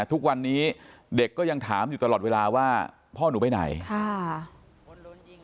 ทุกวันนี้เด็กก็ยังถามอยู่ตลอดเวลาว่าพ่อหนูไปไหนค่ะ